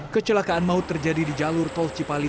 kecelakaan maut terjadi di jalur tol cipali